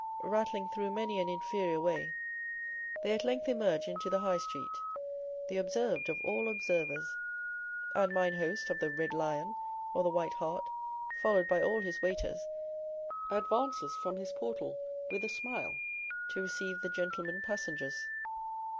Rattling through many an inferior way they at length emerge into the High Street, the observed of all observers, and mine host of the Red Lion, or the White Hart, followed by all his waiters, advances from his portal with a smile to receive the 'gentlemen passengers.